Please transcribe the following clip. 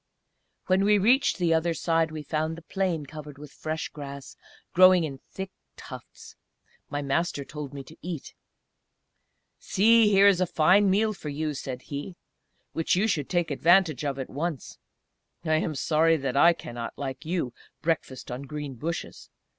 When we reached the other side we found the plain covered with fresh grass, growing in thick tufts. My Master told me to eat. "See! there is a fine meal for you," said he, "which you should take advantage of at once. I am sorry that I cannot, like you, breakfast on green bushes!...